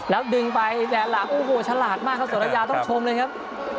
แล้วดึงไปแสนหลังโอ้โหฉลาดมากครับสรยาต้องชมเลยครับ